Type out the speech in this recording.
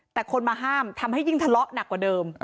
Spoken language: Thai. แต่คนมาห้ามทำให้ยิ่งทะเลาะหนักกว่าเดิม